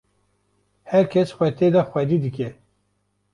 her kes xwe tê de xwedî dike